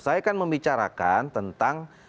saya kan membicarakan tentang